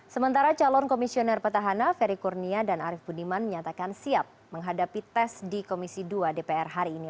sementara calon komisioner petahana ferry kurnia dan arief budiman menyatakan siap menghadapi tes di komisi dua dpr hari ini